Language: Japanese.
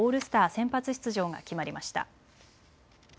先発出場が決まりました。